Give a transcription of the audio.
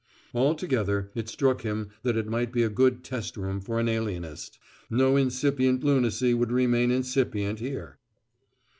Altogether, it struck him that it might be a good test room for an alienist: no incipient lunacy would remain incipient here.